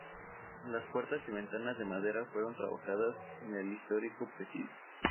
Las puertas y ventanas de madera fueron trabajadas en el histórico presidio.